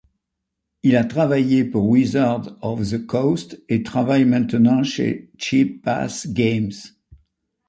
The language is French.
Il a travaillé pour Wizards of the Coast et travaille maintenant chez Cheapass Games.